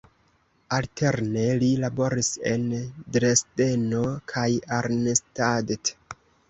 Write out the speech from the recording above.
Alterne li laboris en Dresdeno kaj Arnstadt.